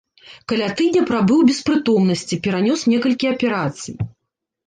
Каля тыдня прабыў без прытомнасці, перанёс некалькі аперацый.